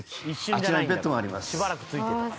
あちらにベッドがあります。